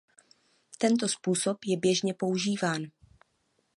Tento způsob je běžně používán.